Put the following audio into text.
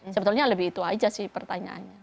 sebetulnya lebih itu aja sih pertanyaannya